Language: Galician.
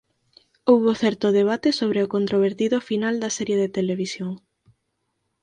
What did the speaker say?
Houbo certo debate sobre o controvertido final da serie de televisión.